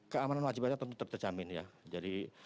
keamanan wajib pajak tentu terjamin ya